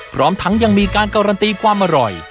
พร้อมทั้งยังมีการการันตีความอร่อย